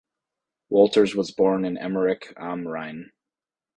Wolters was born in Emmerich am Rhein.